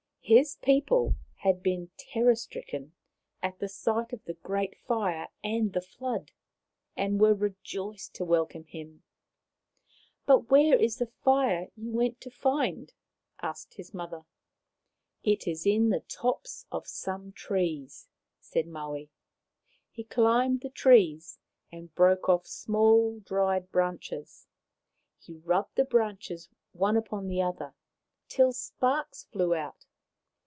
His people had been terror stricken at sight of the great fire and the flood, and were rejoiced to welcome him. " But where is the fire you went to find ?" asked his mother. " It is in the tops of some trees," said Maui. He climbed the trees and broke off small dried branches. He rubbed the branches upon one another till sparks flew out.